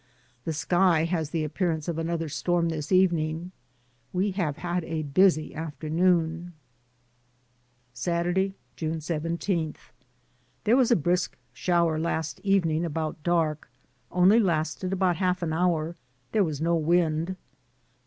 The sky has the appearance of another storm this evening. We have had a busy afternoon. 96 DAYS ON THE ROAD. Saturday, June 17. There was a brisk shower last evening about dark, only lasted about half an hour, there was no wind.